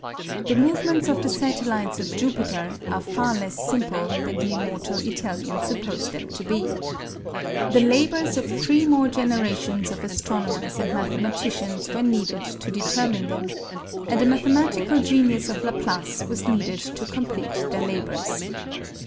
The movements of the satellites of Jupiter are far less simple than the immortal Italian supposed them to be. The labors of three more generations of astronomers and mathematicians were needed to determine them, and the mathematical genius of Laplace was needed to complete their labors.